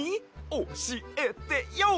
おしえてＹＯ！